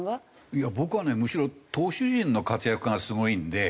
いや僕はね投手陣の活躍がすごいんで。